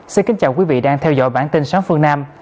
xin kính chào quý vị đang theo dõi bản tin sáng phương nam